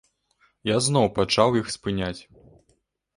Я зноў пачаў іх спыняць.